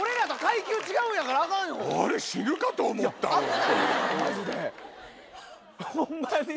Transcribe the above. あれ死ぬかと思った本当に。